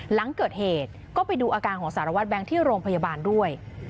หลังเกิดเหตุก็ไปดูอาการของสารวัตรแบงค์ที่โรงพยาบาลด้วย